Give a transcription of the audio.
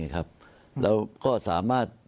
ก็สามารถ